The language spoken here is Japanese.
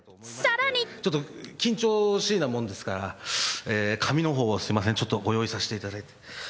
ちょっと緊張しいなもんですから、紙のほうを、すみません、ちょっと、ご用意させていただいて。